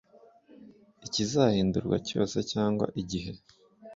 Ikizahindurwa cyose cyangwa igihe